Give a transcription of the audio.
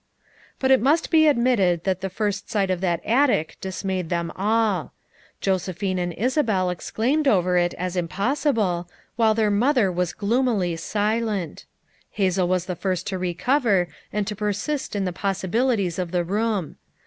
But it must be admitted that the first sight of that attic dismayed them all. Josephine and Isabel exclaimed over it as impossible, while their mother was gloomily silent. Hazel was the first to recover and to persist in the pos sibilities of the room.